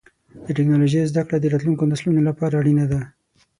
د ټکنالوجۍ زدهکړه د راتلونکو نسلونو لپاره اړینه ده.